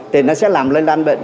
thì nó sẽ làm lên đăng bệnh